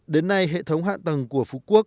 đến nay hệ thống hạ tầng của phú quốc